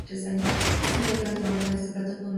Es muy natural tomar con este plato una cerveza fresca.